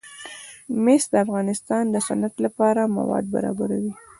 مس د افغانستان د صنعت لپاره مواد برابروي.